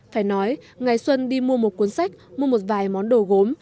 phải nói ngày xuân đi mua một cuốn sách mua một vài món đồ gốm